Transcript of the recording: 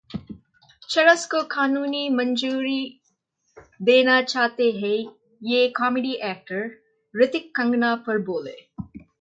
चरस को कानूनी मंजूरी देना चाहते हैं ये कॉमेडी एक्टर, रितिक-कंगना पर बोले